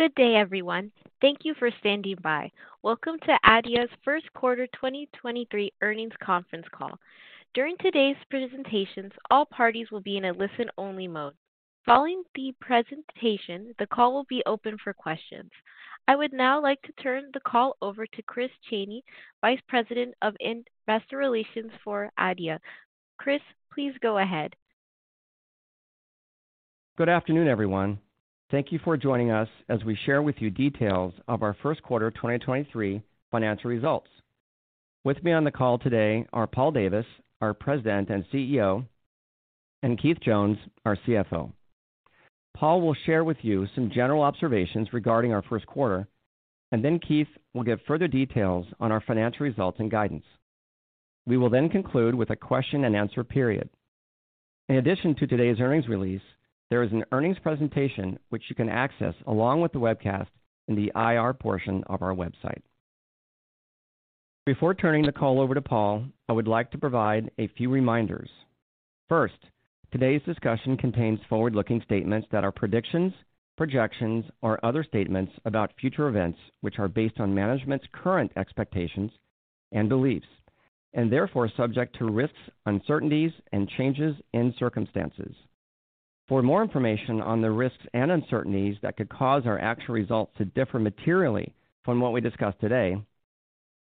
Good day, everyone. Thank you for standing by. Welcome to Adeia's first quarter 2023 earnings conference call. During today's presentations, all parties will be in a listen-only mode. Following the presentation, the call will be open for questions. I would now like to turn the call over to Chris Chaney, Vice President of Investor Relations for Adeia. Chris, please go ahead. Good afternoon, everyone. Thank you for joining us as we share with you details of our first quarter 2023 financial results. With me on the call today are Paul Davis, our President and CEO, and Keith Jones, our CFO. Paul will share with you some general observations regarding our first quarter. Then Keith will give further details on our financial results and guidance. We will conclude with a question-and-answer period. In addition to today's earnings release, there is an earnings presentation which you can access along with the webcast in the IR portion of our website. Before turning the call over to Paul, I would like to provide a few reminders. Today's discussion contains forward-looking statements that are predictions, projections, or other statements about future events which are based on management's current expectations and beliefs, therefore subject to risks, uncertainties, and changes in circumstances. For more information on the risks and uncertainties that could cause our actual results to differ materially from what we discuss today,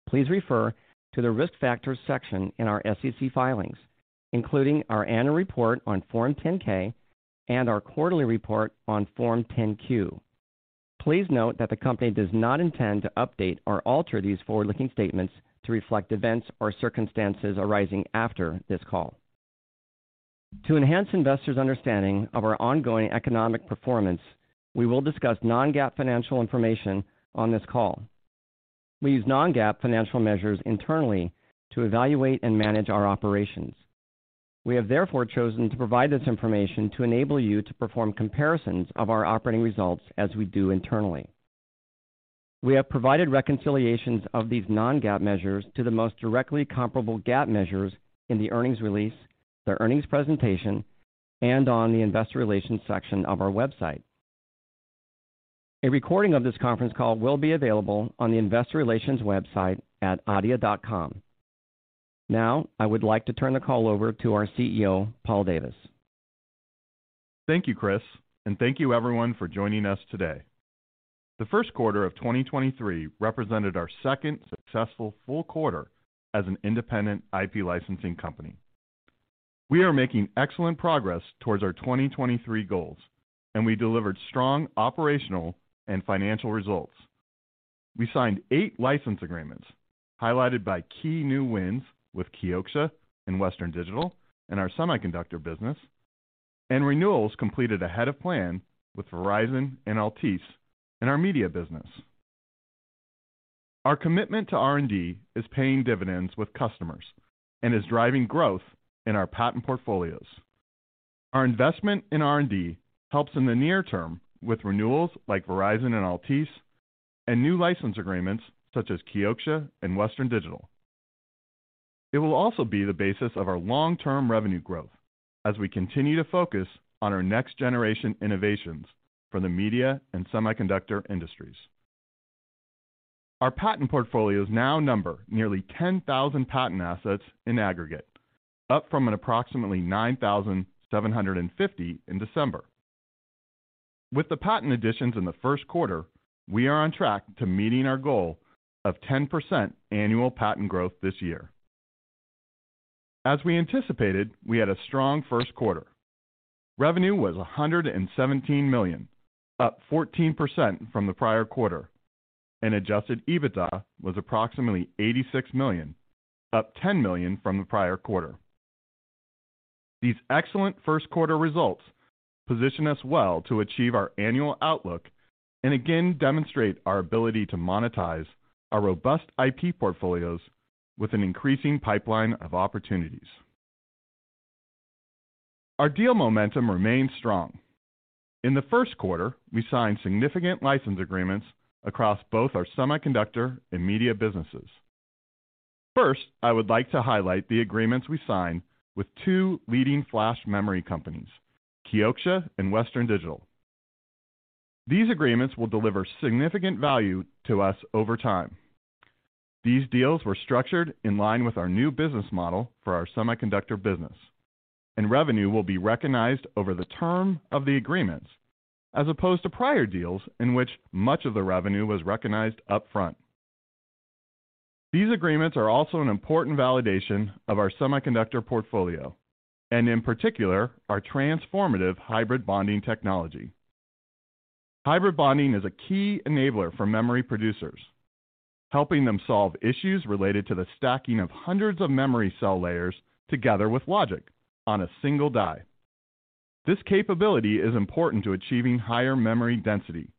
please refer to the Risk Factors section in our SEC filings, including our annual report on Form 10-K and our quarterly report on Form 10-Q. Please note that the company does not intend to update or alter these forward-looking statements to reflect events or circumstances arising after this call. To enhance investors' understanding of our ongoing economic performance, we will discuss non-GAAP financial information on this call. We use non-GAAP financial measures internally to evaluate and manage our operations. We have therefore chosen to provide this information to enable you to perform comparisons of our operating results as we do internally. We have provided reconciliations of these non-GAAP measures to the most directly comparable GAAP measures in the earnings release, the earnings presentation, and on the investor relations section of our website. A recording of this conference call will be available on the investor relations website at adeia.com. Now, I would like to turn the call over to our CEO, Paul Davis. Thank you, Chris. Thank you everyone for joining us today. The first quarter of 2023 represented our second successful full quarter as an independent IP licensing company. We are making excellent progress towards our 2023 goals, and we delivered strong operational and financial results. We signed eight license agreements highlighted by key new wins with Kioxia and Western Digital in our semiconductor business and renewals completed ahead of plan with Verizon and Altice in our media business. Our commitment to R&D is paying dividends with customers and is driving growth in our patent portfolios. Our investment in R&D helps in the near term with renewals like Verizon and Altice and new license agreements such as Kioxia and Western Digital. It will also be the basis of our long-term revenue growth as we continue to focus on our next-generation innovations for the media and semiconductor industries. Our patent portfolios now number nearly 10,000 patent assets in aggregate, up from an approximately 9,750 in December. With the patent additions in the first quarter, we are on track to meeting our goal of 10% annual patent growth this year. As we anticipated, we had a strong first quarter. Revenue was $117 million, up 14% from the prior quarter, and adjusted EBITDA was approximately $86 million, up $10 million from the prior quarter. These excellent first quarter results position us well to achieve our annual outlook and again demonstrate our ability to monetize our robust IP portfolios with an increasing pipeline of opportunities. Our deal momentum remains strong. In the first quarter, we signed significant license agreements across both our semiconductor and media businesses. First, I would like to highlight the agreements we signed with two leading flash memory companies, Kioxia and Western Digital. These agreements will deliver significant value to us over time. These deals were structured in line with our new business model for our semiconductor business, and revenue will be recognized over the term of the agreements as opposed to prior deals in which much of the revenue was recognized upfront. These agreements are also an important validation of our semiconductor portfolio and, in particular, our transformative hybrid bonding technology. Hybrid bonding is a key enabler for memory producers, helping them solve issues related to the stacking of hundreds of memory cell layers together with logic on a single die. This capability is important to achieving higher memory density.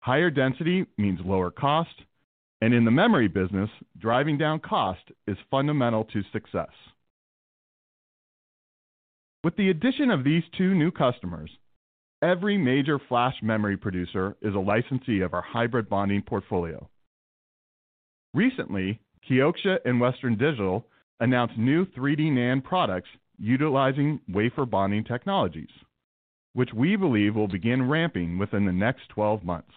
Higher density means lower cost, and in the memory business, driving down cost is fundamental to success. With the addition of these two new customers, every major flash memory producer is a licensee of our hybrid bonding portfolio. Recently, Kioxia and Western Digital announced new 3D NAND products utilizing wafer bonding technologies, which we believe will begin ramping within the next 12 months.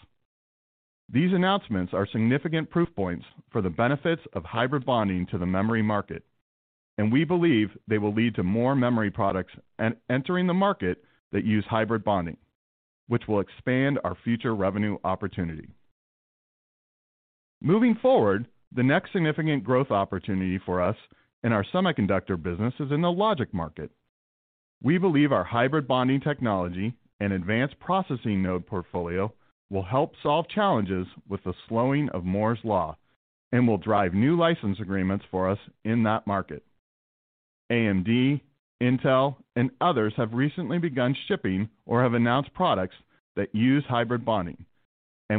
These announcements are significant proof points for the benefits of hybrid bonding to the memory market. We believe they will lead to more memory products entering the market that use hybrid bonding, which will expand our future revenue opportunity. Moving forward, the next significant growth opportunity for us in our semiconductor business is in the logic market. We believe our hybrid bonding technology and advanced process nodes portfolio will help solve challenges with the slowing of Moore's Law and will drive new license agreements for us in that market. AMD, Intel, and others have recently begun shipping or have announced products that use hybrid bonding.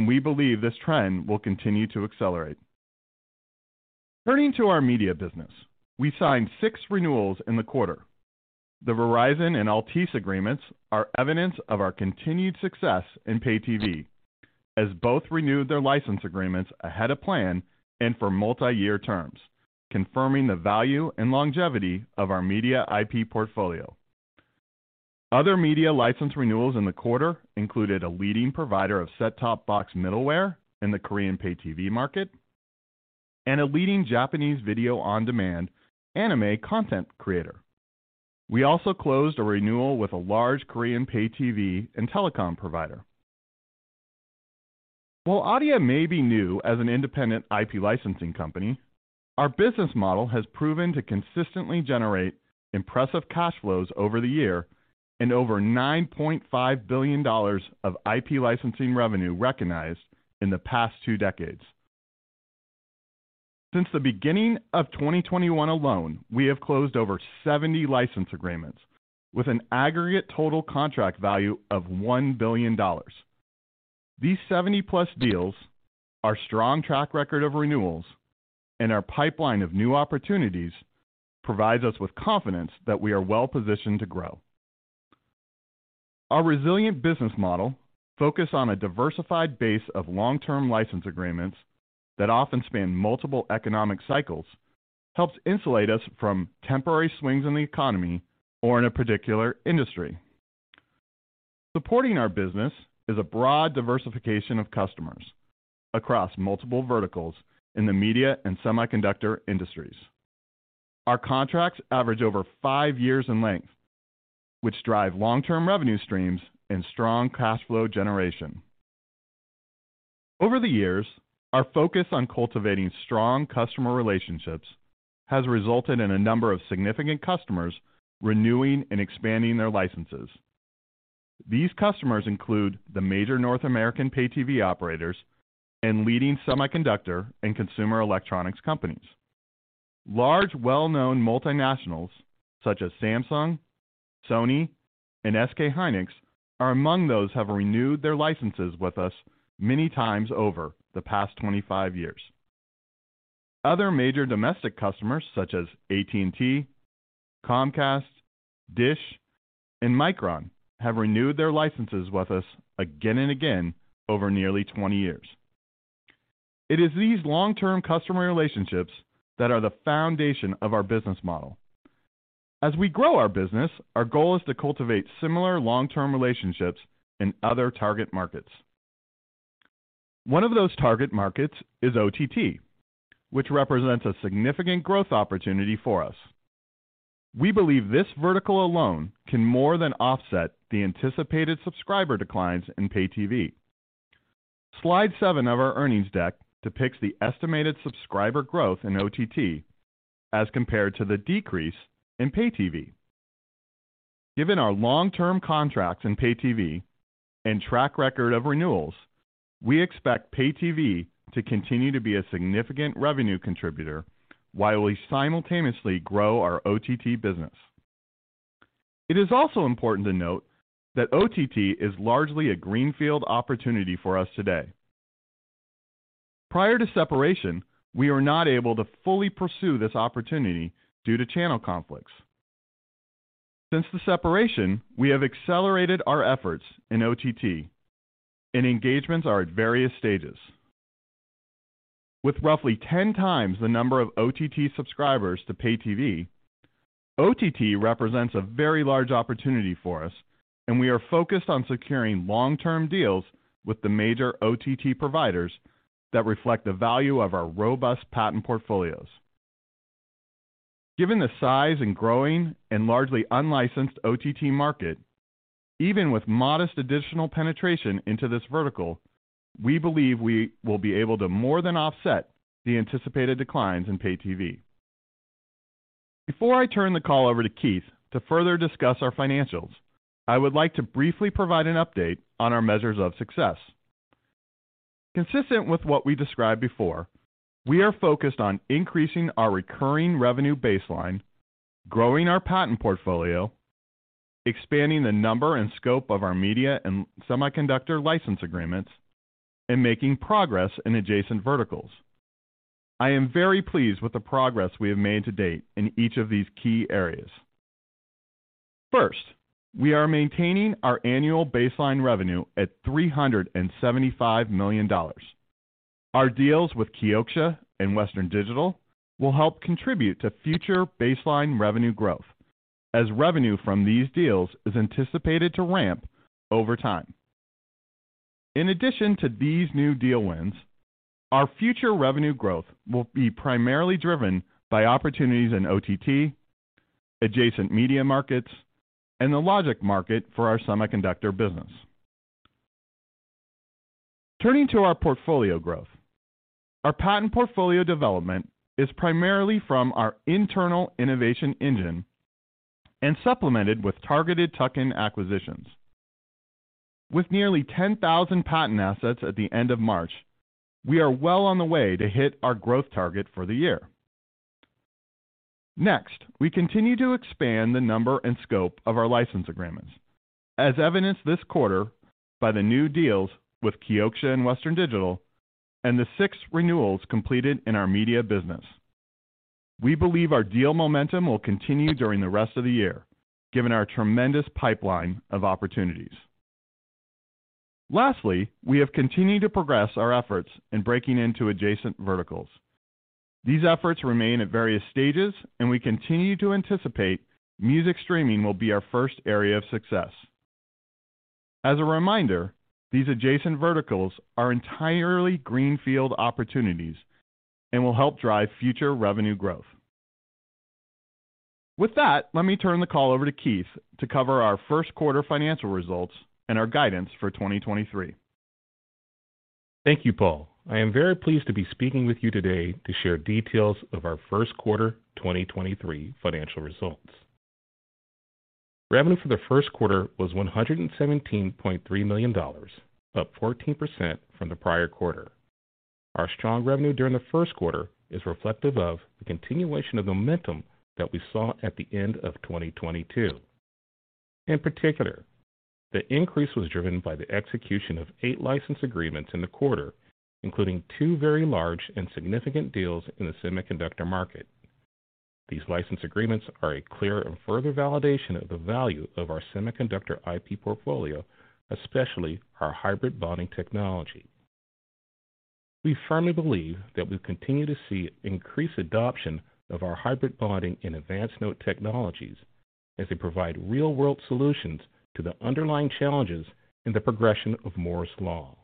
We believe this trend will continue to accelerate. Turning to our media business, we signed six renewals in the quarter. The Verizon and Altice agreements are evidence of our continued success in pay TV, as both renewed their license agreements ahead of plan and for multi-year terms, confirming the value and longevity of our media IP portfolio. Other media license renewals in the quarter included a leading provider of set-top box middleware in the Korean pay TV market and a leading Japanese video-on-demand anime content creator. We also closed a renewal with a large Korean pay TV and telecom provider. While Adeia may be new as an independent IP licensing company, our business model has proven to consistently generate impressive cash flows over the year and over $9.5 billion of IP licensing revenue recognized in the past two decades. Since the beginning of 2021 alone, we have closed over 70 license agreements with an aggregate total contract value of $1 billion. These 70+ deals, our strong track record of renewals, and our pipeline of new opportunities provides us with confidence that we are well-positioned to grow. Our resilient business model focus on a diversified base of long-term license agreements that often span multiple economic cycles helps insulate us from temporary swings in the economy or in a particular industry. Supporting our business is a broad diversification of customers across multiple verticals in the media and semiconductor industries. Our contracts average over five years in length, which drive long-term revenue streams and strong cash flow generation. Over the years, our focus on cultivating strong customer relationships has resulted in a number of significant customers renewing and expanding their licenses. These customers include the major North American pay TV operators and leading semiconductor and consumer electronics companies. Large, well-known multinationals such as Samsung, Sony, and SK hynix are among those have renewed their licenses with us many times over the past 25 years. Other major domestic customers, such as AT&T, Comcast, DISH, and Micron, have renewed their licenses with us again and again over nearly 20 years. It is these long-term customer relationships that are the foundation of our business model. As we grow our business, our goal is to cultivate similar long-term relationships in other target markets. One of those target markets is OTT, which represents a significant growth opportunity for us. We believe this vertical alone can more than offset the anticipated subscriber declines in pay TV. Slide seven of our earnings deck depicts the estimated subscriber growth in OTT as compared to the decrease in pay TV. Given our long-term contracts in pay TV and track record of renewals, we expect pay TV to continue to be a significant revenue contributor while we simultaneously grow our OTT business. It is also important to note that OTT is largely a greenfield opportunity for us today. Prior to separation, we were not able to fully pursue this opportunity due to channel conflicts. Since the separation, we have accelerated our efforts in OTT, and engagements are at various stages. With roughly 10 times the number of OTT subscribers to pay TV, OTT represents a very large opportunity for us, and we are focused on securing long-term deals with the major OTT providers that reflect the value of our robust patent portfolios. Given the size and growing and largely unlicensed OTT market, even with modest additional penetration into this vertical, we believe we will be able to more than offset the anticipated declines in pay TV. Before I turn the call over to Keith to further discuss our financials, I would like to briefly provide an update on our measures of success. Consistent with what we described before, we are focused on increasing our recurring revenue baseline, growing our patent portfolio, expanding the number and scope of our media and semiconductor license agreements, and making progress in adjacent verticals. I am very pleased with the progress we have made to date in each of these key areas. First, we are maintaining our annual baseline revenue at $375 million. Our deals with Kioxia and Western Digital will help contribute to future baseline revenue growth as revenue from these deals is anticipated to ramp over time. In addition to these new deal wins, our future revenue growth will be primarily driven by opportunities in OTT, adjacent media markets, and the logic market for our semiconductor business. Turning to our portfolio growth, our patent portfolio development is primarily from our internal innovation engine and supplemented with targeted tuck-in acquisitions. With nearly 10,000 patent assets at the end of March, we are well on the way to hit our growth target for the year. Next, we continue to expand the number and scope of our license agreements, as evidenced this quarter by the new deals with Kioxia and Western Digital and the six renewals completed in our media business. We believe our deal momentum will continue during the rest of the year, given our tremendous pipeline of opportunities. Lastly, we have continued to progress our efforts in breaking into adjacent verticals. These efforts remain at various stages, and we continue to anticipate music streaming will be our first area of success. As a reminder, these adjacent verticals are entirely greenfield opportunities and will help drive future revenue growth. With that, let me turn the call over to Keith to cover our first quarter financial results and our guidance for 2023. Thank you, Paul. I am very pleased to be speaking with you today to share details of our first quarter 2023 financial results. Revenue for the first quarter was $117.3 million, up 14% from the prior quarter. Our strong revenue during the first quarter is reflective of the continuation of momentum that we saw at the end of 2022. In particular, the increase was driven by the execution of eight license agreements in the quarter, including two very large and significant deals in the semiconductor market. These license agreements are a clear and further validation of the value of our semiconductor IP portfolio, especially our hybrid bonding technology. We firmly believe that we'll continue to see increased adoption of our hybrid bonding and advanced node technologies as they provide real-world solutions to the underlying challenges in the progression of Moore's Law.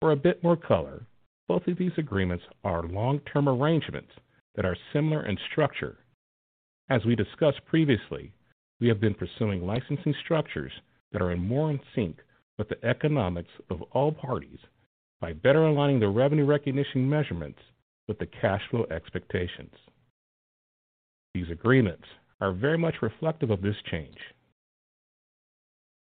For a bit more color, both of these agreements are long-term arrangements that are similar in structure. As we discussed previously, we have been pursuing licensing structures that are more in sync with the economics of all parties by better aligning the revenue recognition measurements with the cash flow expectations. These agreements are very much reflective of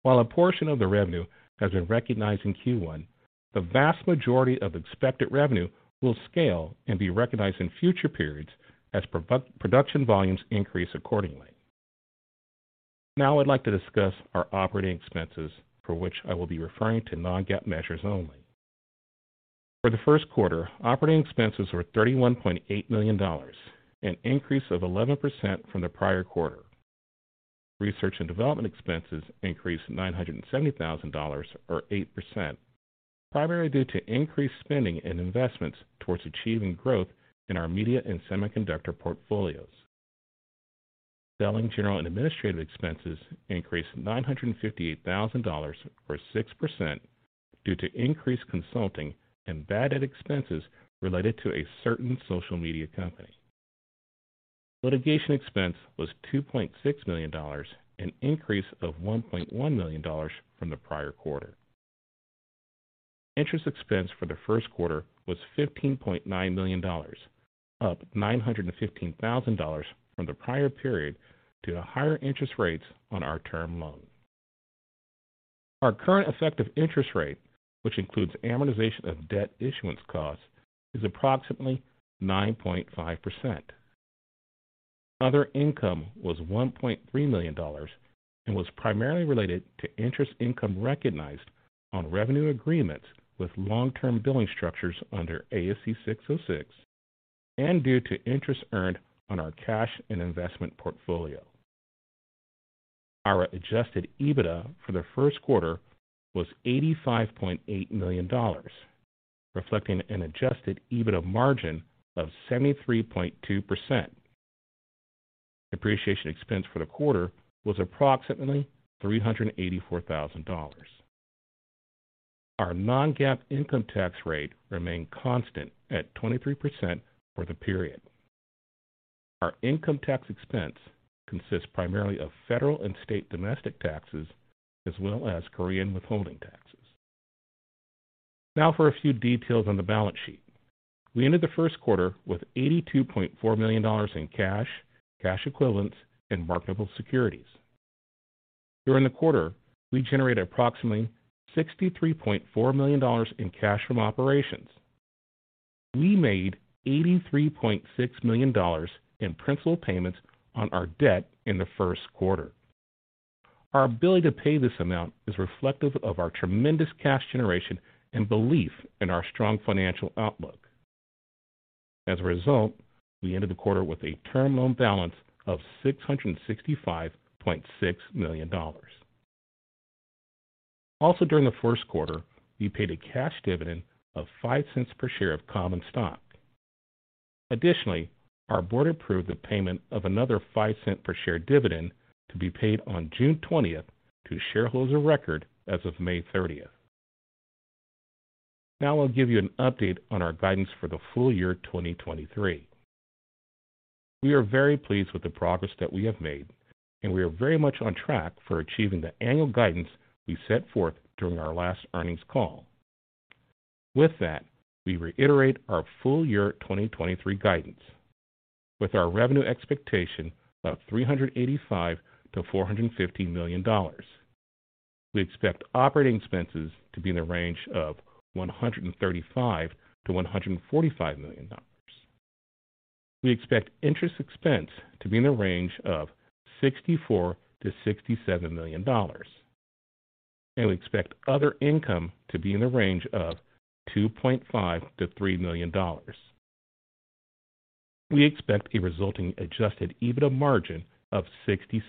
this change. While a portion of the revenue has been recognized in Q1, the vast majority of expected revenue will scale and be recognized in future periods as production volumes increase accordingly. I'd like to discuss our operating expenses, for which I will be referring to non-GAAP measures only. For the first quarter, operating expenses were $31.8 million, an increase of 11% from the prior quarter. Research and development expenses increased $970,000 or 8%, primarily due to increased spending and investments towards achieving growth in our media and semiconductor portfolios. Selling, general, and administrative expenses increased $958,000 or 6% due to increased consulting and bad debt expenses related to a certain social media company. Litigation expense was $2.6 million, an increase of $1.1 million from the prior quarter. Interest expense for the first quarter was $15.9 million, up $915,000 from the prior period due to higher interest rates on our term loan. Our current effective interest rate, which includes amortization of debt issuance costs, is approximately 9.5%. Other income was $1.3 million and was primarily related to interest income recognized on revenue agreements with long-term billing structures under ASC 606 and due to interest earned on our cash and investment portfolio. Our adjusted EBITDA for the first quarter was $85.8 million, reflecting an adjusted EBITDA margin of 73.2%. Depreciation expense for the quarter was approximately $384,000. Our non-GAAP income tax rate remained constant at 23% for the period. Our income tax expense consists primarily of federal and state domestic taxes as well as Korean withholding taxes. Now for a few details on the balance sheet. We ended the first quarter with $82.4 million in cash equivalents, and marketable securities. During the quarter, we generated approximately $63.4 million in cash from operations. We made $83.6 million in principal payments on our debt in the first quarter. Our ability to pay this amount is reflective of our tremendous cash generation and belief in our strong financial outlook. As a result, we ended the quarter with a term loan balance of $665.6 million. Also, during the first quarter, we paid a cash dividend of $0.05 per share of common stock. Additionally, our board approved the payment of another $0.05 per share dividend to be paid on June 20th to shareholders of record as of May 30th. Now, I'll give you an update on our guidance for the full-year 2023. We are very pleased with the progress that we have made, and we are very much on track for achieving the annual guidance we set forth during our last earnings call. With that, we reiterate our full-year 2023 guidance, with our revenue expectation of $385 million-$450 million. We expect operating expenses to be in the range of $135 million-$145 million. We expect interest expense to be in the range of $64 million-$67 million. We expect other income to be in the range of $2.5 million-$3 million. We expect a resulting adjusted EBITDA margin of 66%.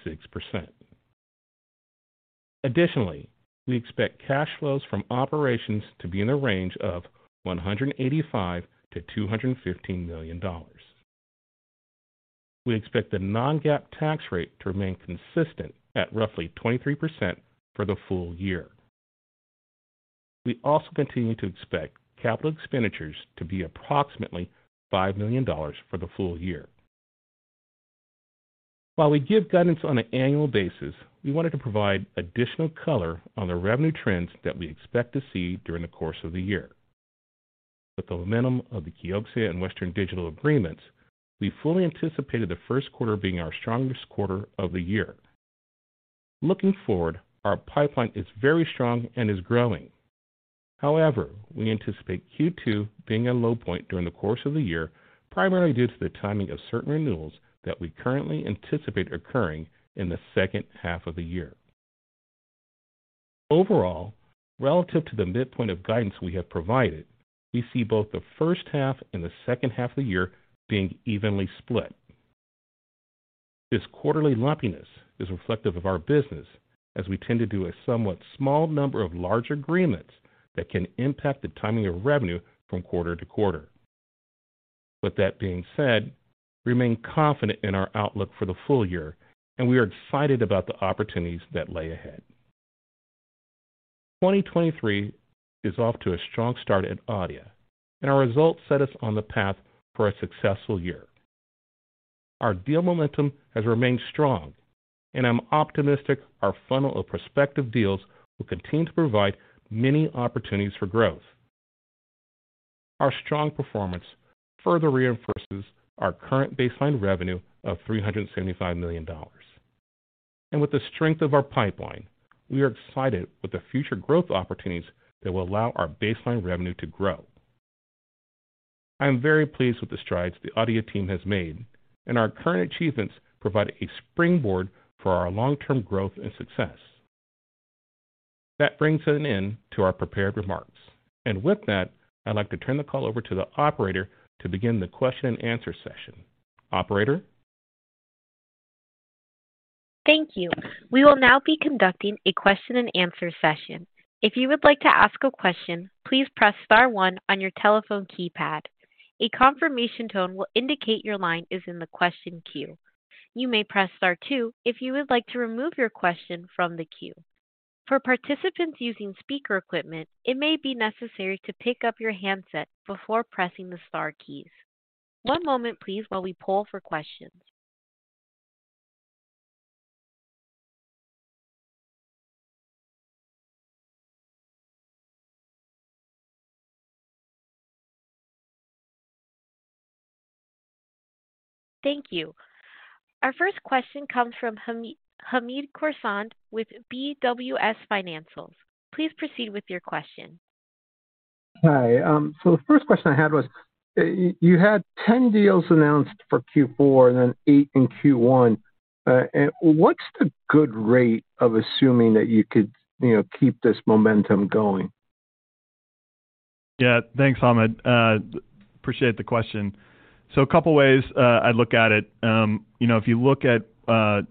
Additionally, we expect cash flows from operations to be in the range of $185 million-$215 million. We expect the non-GAAP tax rate to remain consistent at roughly 23% for the full-year. We also continue to expect capital expenditures to be approximately $5 million for the full-year. While we give guidance on an annual basis, we wanted to provide additional color on the revenue trends that we expect to see during the course of the year. With the momentum of the Kioxia and Western Digital agreements, we fully anticipated the first quarter being our strongest quarter of the year. Looking forward, our pipeline is very strong and is growing. However, we anticipate Q2 being a low point during the course of the year, primarily due to the timing of certain renewals that we currently anticipate occurring in the second half of the year. Overall, relative to the midpoint of guidance we have provided, we see both the first half and the second half of the year being evenly split. This quarterly lumpiness is reflective of our business as we tend to do a somewhat small number of large agreements that can impact the timing of revenue from quarter to quarter. With that being said, we remain confident in our outlook for the full-year. We are excited about the opportunities that lay ahead. 2023 is off to a strong start at Adeia. Our results set us on the path for a successful year. Our deal momentum has remained strong. I'm optimistic our funnel of prospective deals will continue to provide many opportunities for growth. Our strong performance further reinforces our current baseline revenue of $375 million. With the strength of our pipeline, we are excited with the future growth opportunities that will allow our baseline revenue to grow. I am very pleased with the strides the Adeia team has made, and our current achievements provide a springboard for our long-term growth and success. That brings an end to our prepared remarks. With that, I'd like to turn the call over to the operator to begin the question and answer session. Operator? Thank you. We will now be conducting a question and answer session. If you would like to ask a question, please press star one on your telephone keypad. A confirmation tone will indicate your line is in the question queue. You may press star two if you would like to remove your question from the queue. For participants using speaker equipment, it may be necessary to pick up your handset before pressing the star keys. One moment, please, while we poll for questions. Thank you. Our first question comes from Hamed Khorsand with BWS Financial. Please proceed with your question. Hi. The first question I had was, you had 10 deals announced for Q4 and then eight in Q1. What's the good rate of assuming that you could, you know, keep this momentum going? Yeah. Thanks, Hamed. Appreciate the question. A couple ways I look at it. You know, if you look at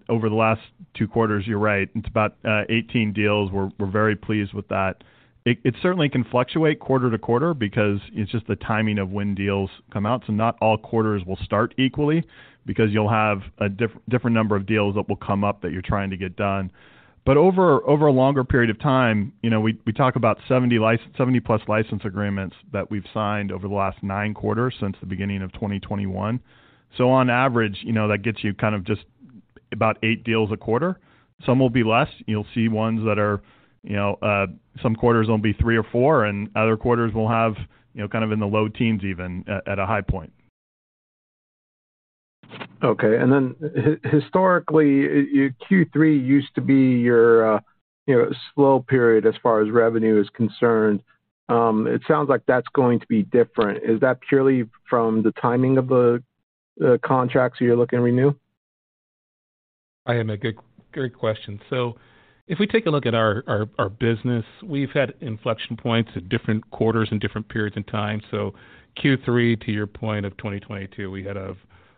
over the last two quarters, you're right. It's about 18 deals. We're very pleased with that. It certainly can fluctuate quarter to quarter because it's just the timing of when deals come out, not all quarters will start equally because you'll have a different number of deals that will come up that you're trying to get done. Over a longer period of time, you know, we talk about 70+ license agreements that we've signed over the last nine quarters since the beginning of 2021. On average, you know, that gets you kind of just about eight deals a quarter. Some will be less. You'll see ones that are, you know, some quarters will be three or four, and other quarters will have, you know, kind of in the low teens even at a high point. Okay. Historically, your Q3 used to be your, you know, slow period as far as revenue is concerned. It sounds like that's going to be different. Is that purely from the timing of the contracts you're looking to renew? Hi, Hamed. Good question. If we take a look at our business, we've had inflection points at different quarters and different periods in time. Q3, to your point, of 2022, we had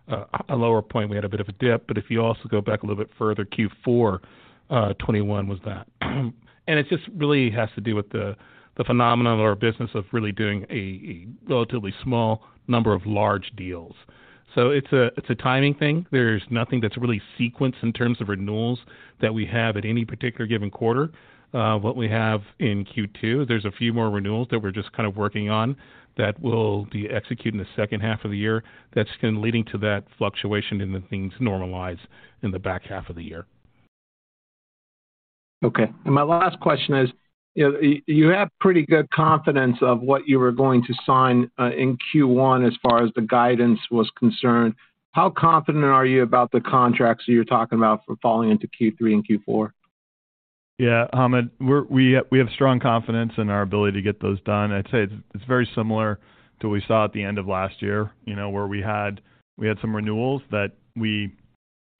a lower point. We had a bit of a dip. If you also go back a little bit further, Q4, 2021 was that. It just really has to do with the phenomenon of our business of really doing a relatively small number of large deals. It's a timing thing. There's nothing that's really sequenced in terms of renewals that we have at any particular given quarter. What we have in Q2, there's a few more renewals that we're just kind of working on that will be executed in the second half of the year. That's been leading to that fluctuation and then things normalize in the back half of the year. Okay. My last question is, you know, you have pretty good confidence of what you were going to sign, in Q1 as far as the guidance was concerned. How confident are you about the contracts that you're talking about falling into Q3 and Q4? Yeah. Hamed, we have strong confidence in our ability to get those done. I'd say it's very similar to what we saw at the end of last year, you know, where we had some renewals that we,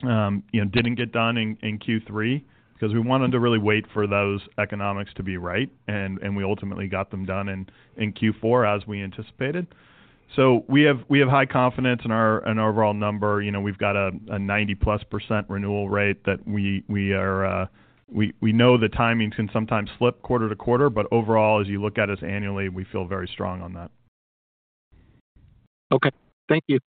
you know, didn't get done in Q3 because we wanted to really wait for those economics to be right, and we ultimately got them done in Q4 as we anticipated. We have high confidence in our overall number. You know, we've got a 90%+ renewal rate that we are, we know the timing can sometimes slip quarter to quarter, overall, as you look at us annually, we feel very strong on that. Okay. Thank you.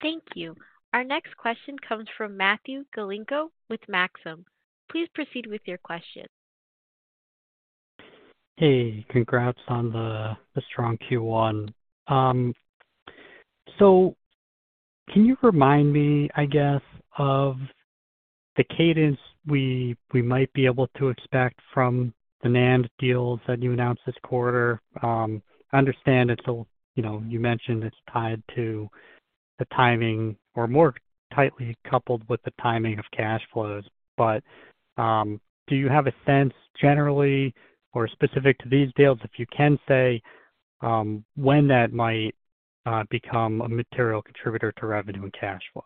Thank you. Our next question comes from Matthew Galinko with Maxim. Please proceed with your question. Hey, congrats on the strong Q1. Can you remind me, I guess, of the cadence we might be able to expect from the NAND deals that you announced this quarter? I understand it's, you know, you mentioned it's tied to the timing or more tightly coupled with the timing of cash flows. Do you have a sense generally or specific to these deals, if you can say, when that might become a material contributor to revenue and cash flow?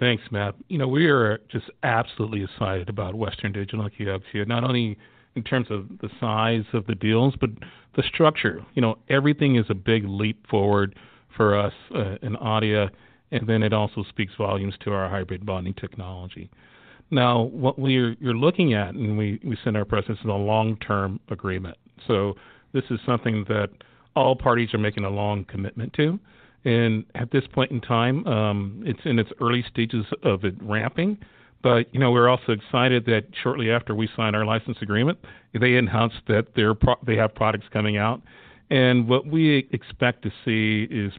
Thanks, Matt. You know, we are just absolutely excited about Western Digital and Kioxia's deal, not only in terms of the size of the deals, but the structure. Everything is a big leap forward for us in Adeia, and then it also speaks volumes to our hybrid bonding technology. What you're looking at, and we set our presence in a long-term agreement. This is something that all parties are making a long commitment to. At this point in time, it's in its early stages of it ramping. You know, we're also excited that shortly after we sign our license agreement, they announced that they have products coming out. What we expect to see is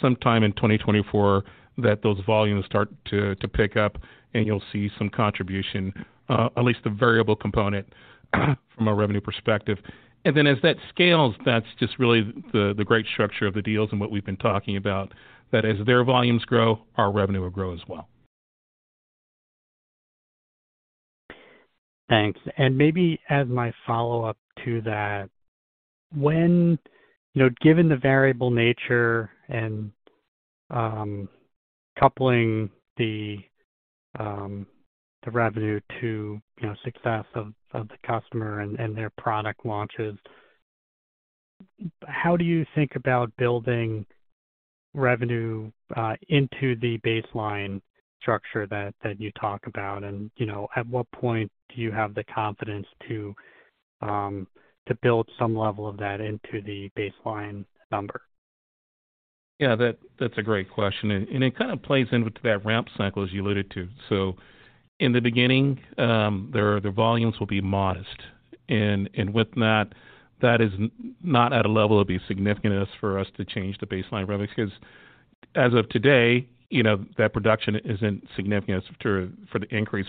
sometime in 2024 that those volumes start to pick up, and you'll see some contribution, at least the variable component from a revenue perspective. As that scales, that's just really the great structure of the deals and what we've been talking about, that as their volumes grow, our revenue will grow as well. Thanks. Maybe as my follow-up to that, when, you know, given the variable nature and coupling the revenue to, you know, success of the customer and their product launches, how do you think about building revenue into the baseline structure that you talk about? You know, at what point do you have the confidence to build some level of that into the baseline number? Yeah, that's a great question. It kind of plays into that ramp cycle as you alluded to. In the beginning, their volumes will be modest. With that is not at a level of significance for us to change the baseline revenue because as of today, you know, that production isn't significant for the increase.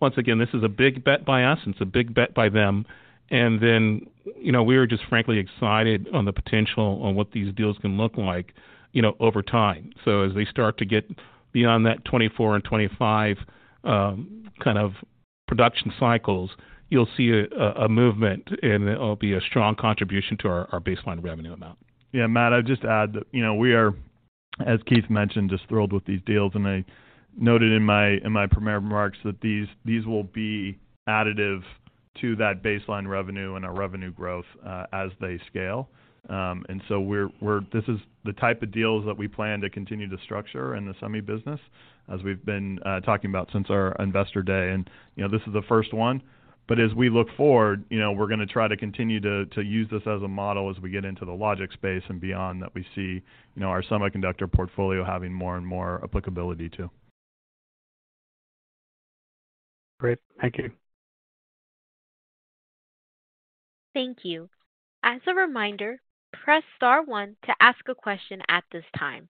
Once again, this is a big bet by us, and it's a big bet by them. We're just frankly excited on the potential on what these deals can look like, you know, over time. As they start to get beyond that 2024 and 2025 kind of production cycles, you'll see a movement, and it'll be a strong contribution to our baseline revenue amount. Yeah, Matt, I'd just add that, you know, we are, as Keith mentioned, just thrilled with these deals. I noted in my, in my prepared remarks that these will be additive to that baseline revenue and our revenue growth, as they scale. We're this is the type of deals that we plan to continue to structure in the semi business as we've been talking about since our investor day. You know, this is the first one, but as we look forward, you know, we're gonna try to continue to use this as a model as we get into the logic space and beyond that we see, you know, our semiconductor portfolio having more and more applicability to. Great. Thank you. Thank you. As a reminder, press star one to ask a question at this time.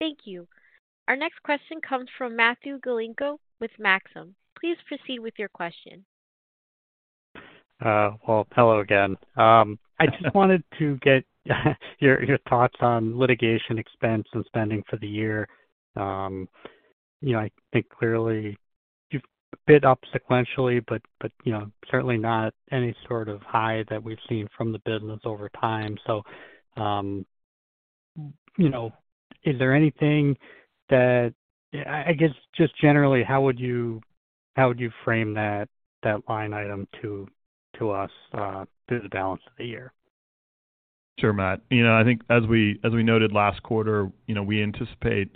Thank you. Our next question comes from Matthew Galinko with Maxim. Please proceed with your question. Well, hello again. I just wanted to get your thoughts on litigation expense and spending for the year. You know, I think clearly you've bid up sequentially, but, you know, certainly not any sort of high that we've seen from the business over time. You know, is there anything tha, I guess just generally, how would you frame that line item to us through the balance of the year? Sure, Matt. I think as we noted last quarter, we anticipate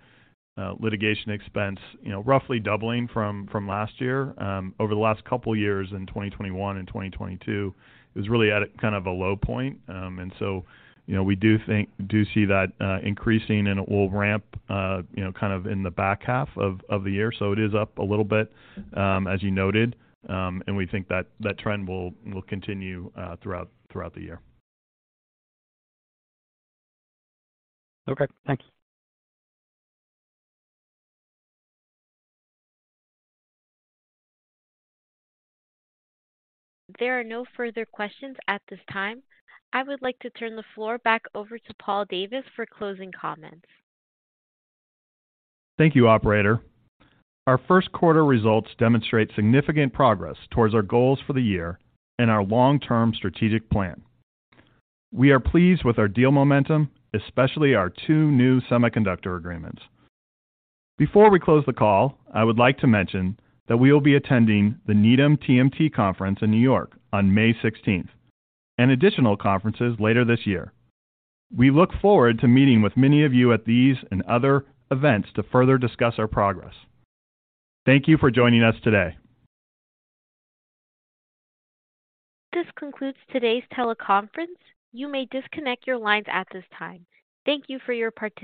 litigation expense roughly doubling from last year. Over the last couple of years in 2021 and 2022, it was really at kind of a low point. We do see that increasing and it will ramp kind of in the back half of the year. It is up a little bit, as you noted. We think that that trend will continue throughout the year. Okay, thanks. There are no further questions at this time. I would like to turn the floor back over to Paul Davis for closing comments. Thank you, operator. Our first quarter results demonstrate significant progress towards our goals for the year and our long-term strategic plan. We are pleased with our deal momentum, especially our two new semiconductor agreements. Before we close the call, I would like to mention that we will be attending the Needham TMT Conference in New York on May 16th, and additional conferences later this year. We look forward to meeting with many of you at these and other events to further discuss our progress. Thank you for joining us today. This concludes today's teleconference. You may disconnect your lines at this time. Thank you for your participation.